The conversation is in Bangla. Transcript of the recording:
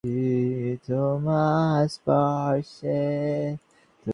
বেদ-নামক শব্দরাশি কোন পুরুষের উক্তি নহে।